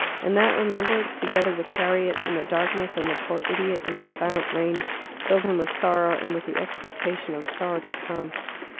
And that remembrance, together with Harriet, and the darkness, and the poor idiot, and the silent rain, filled him with sorrow and with the expectation of sorrow to come.